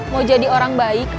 mau jadi orang baik